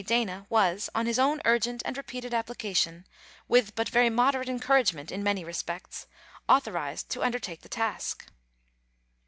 Dana was, on his own urgent and repeated application, with but very moderate encouragement in many respects, authorized to undertake the task.